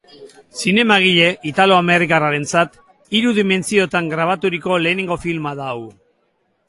Zinemagile italoamerikarrarentzat hiru dimentsiotan grabaturiko lehenengo filma da hau.